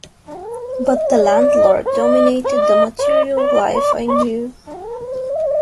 But the landlord dominated the material life I knew.